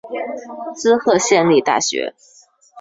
滋贺县立大学